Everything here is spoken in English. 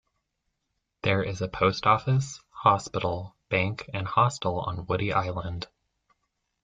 There is a post office, hospital, bank and hostel on Woody Island.